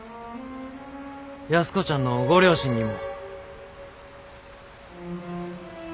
安子ちゃんのご両親にも。